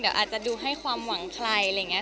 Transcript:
เดี๋ยวอาจจะดูให้ความหวังใครอะไรอย่างนี้